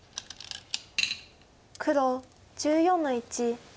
黒１４の一。